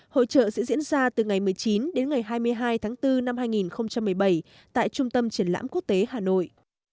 hội trợ sẽ diễn ra từ ngày một mươi chín đến ngày hai mươi hai tháng bốn năm hai nghìn một mươi bảy tại trung tâm triển lãm quốc tế hà nội